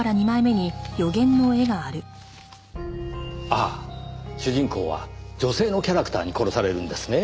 ああ主人公は女性のキャラクターに殺されるんですね。